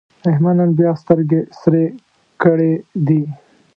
احمد نن بیا سترګې سرې کړې دي.